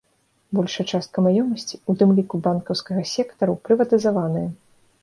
Большая частка маёмасці, у тым ліку, банкаўскага сектару, прыватызаваная.